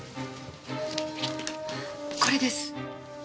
これです。